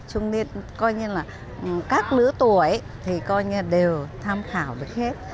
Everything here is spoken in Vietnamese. trung niên coi như là các nữ tuổi thì coi như đều tham khảo được hết